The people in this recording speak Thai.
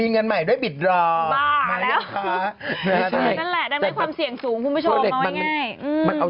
อึกอึกอึก